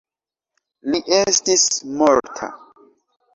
Li estis morta.